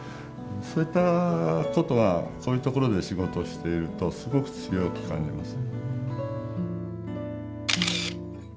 そういったことはこういうところで仕事をしているとすごく強く感じます。